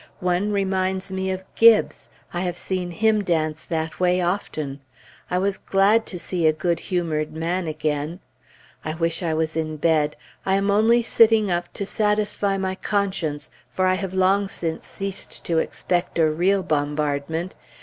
One reminds me of Gibbes; I have seen him dance that way often. I was glad to see a good humored man again. I wish I was in bed. I am only sitting up to satisfy my conscience, for I have long since ceased to expect a real bombardment.